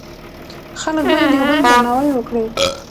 خلک باید یو بل درناوی کړي.